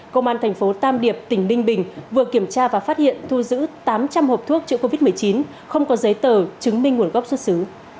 công an thành phố tam điệp tỉnh ninh bình vừa kiểm tra và phát hiện thu giữ tám trăm linh hộp thuốc chữa covid một mươi chín không có giấy tờ chứng minh nguồn gốc xuất xứ